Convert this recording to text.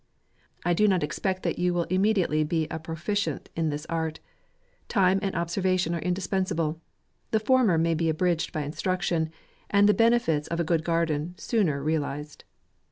I do not expect that you will immediately be a proficient in this art. Time and observa tian are indispensable, The former may be abridged by instruction, and the benefits of a good garden sooner realized.